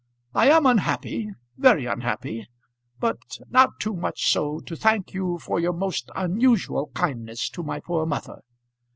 I am unhappy, very unhappy; but not too much so to thank you for your most unusual kindness to my poor mother."